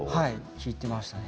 弾いていました。